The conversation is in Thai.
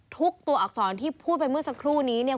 ทุกตัวอักษรที่พูดไปเมื่อสักครู่นี้เนี่ย